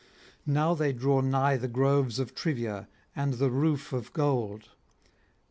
Now they draw nigh the groves of Trivia and the roof of gold.